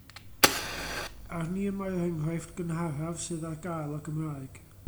Arni y mae'r enghraifft gynharaf sydd ar gael o Gymraeg.